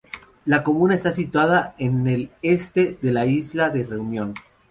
La comuna está situada en el este de la isla de Reunión.